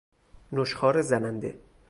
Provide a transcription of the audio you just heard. نشخوار زننده